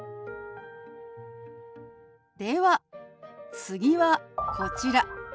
では次はこちら。